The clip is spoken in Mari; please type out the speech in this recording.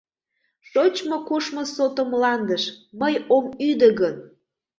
Шочмо-кушмо сото мландыш Мый ом ӱдӧ гын?